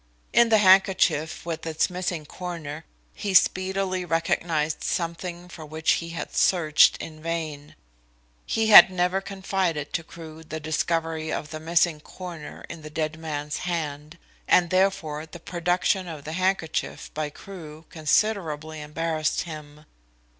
In the handkerchief with its missing corner, he speedily recognised something for which he had searched in vain. He had never confided to Crewe the discovery of the missing corner in the dead man's hand, and therefore the production of the handkerchief by Crewe considerably embarrassed him.